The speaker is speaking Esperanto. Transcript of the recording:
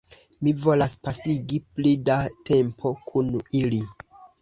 Mi volas pasigi pli da tempo kun ili